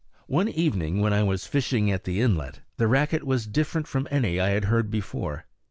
One evening, when I was fishing at the inlet, the racket was different from any I had heard before.